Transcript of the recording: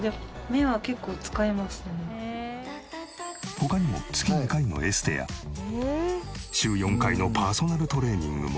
他にも月２回のエステや週４回のパーソナルトレーニングも。